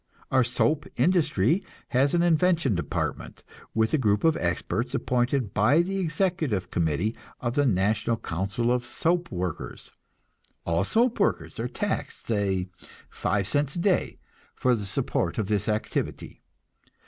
Our soap industry has an invention department, with a group of experts appointed by the executive committee of the national council of soap workers. All soap workers are taxed, say five cents a day, for the support of this activity.